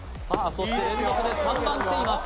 そして連続で３番きています